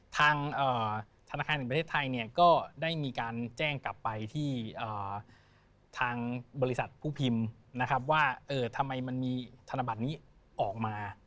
ทางธนาคารแห่งประเทศไทยเนี่ยก็ได้มีการแจ้งกลับไปที่ทางบริษัทผู้พิมพ์นะครับว่าทำไมมันมีธนบัตรนี้ออกมา